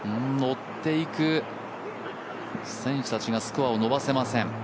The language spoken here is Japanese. のっていく選手たちがスコアを伸ばせません。